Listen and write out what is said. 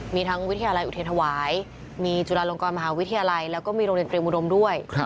มีทั้งวิทยาลัยอุเทรนธวายมีจุฬาลงกรมหาวิทยาลัยแล้วก็มีโรงเรียนเตรียมอุดมด้วย